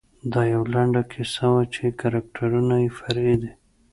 دا یوه لنډه کیسه وه چې کرکټرونه یې فرعي دي.